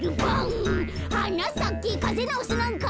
「はなさけかぜなおすなんか」